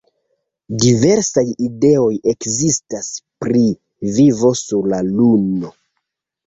Diversaj ideoj ekzistas pri vivo sur la Luno.